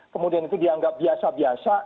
kemudian itu dianggap biasa biasa